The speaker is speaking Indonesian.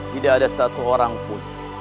tidak ada satu orang pun